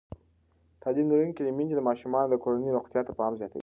تعلیم لرونکې میندې د ماشومانو د کورنۍ روغتیا ته پام زیاتوي.